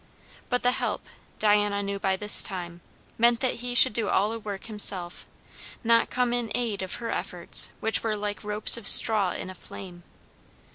But the help, Diana knew by this time, meant that he should do all the work himself, not come in aid of her efforts, which were like ropes of straw in a flame.